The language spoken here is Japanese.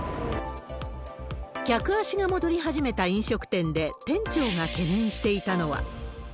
客足が戻り始めた飲食店で、店長が懸念していたのは。